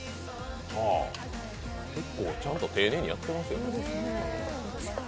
結構ちゃんと丁寧にやってますよ。